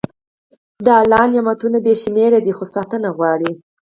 د الله نعمتونه بې شمېره دي، خو ساتنه غواړي.